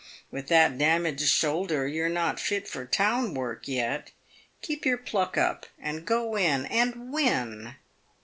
With that damaged shoulder, you're not fit for town work yet. Keep your pluck up, and go in and win."